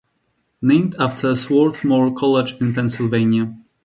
Named after Swarthmore College in Pennsylvania.